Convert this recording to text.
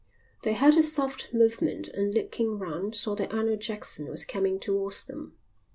They heard a soft movement and looking round saw that Arnold Jackson was coming towards them.